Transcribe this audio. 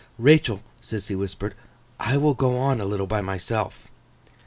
'Rachael,' Sissy whispered, 'I will go on a little by myself.